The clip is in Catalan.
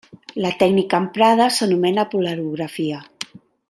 La tècnica emprada s'anomena Polarografia.